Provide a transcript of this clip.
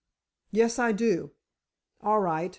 "Yes, I do." "All right.